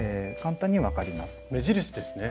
目印ですね。